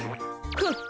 フッ。